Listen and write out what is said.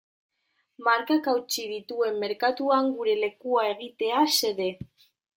Markak hautsi dituen merkatuan gure lekua egitea xede.